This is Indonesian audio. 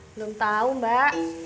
belum tau mbak